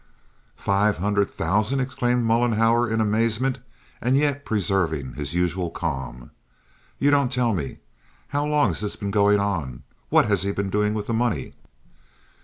"Five hundred thousand!" exclaimed Mollenhauer in amazement, and yet preserving his usual calm. "You don't tell me! How long has this been going on? What has he been doing with the money?"